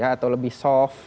atau lebih soft